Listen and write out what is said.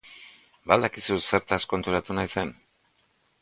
Ba al dakizu zertaz konturatu naizen?